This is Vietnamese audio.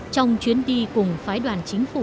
trong chuyến đi cùng phái đoàn chính phủ